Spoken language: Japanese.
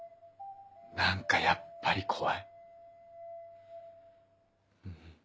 何かやっぱり怖い。